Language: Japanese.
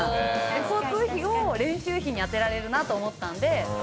交通費を練習費に充てられるなと思ったので。